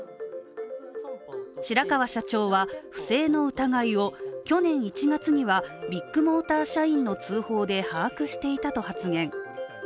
白川社長は不正の疑いを去年１月にはビッグモーター社員の通報で把握していたと発言。